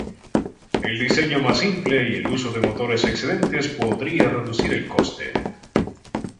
El diseño más simple y el uso de motores excedentes podría reducir el coste.